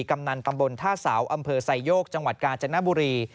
กำนันตำบลท่าเสาอำเภอไซโยกจังหวัดกาญจนบุรี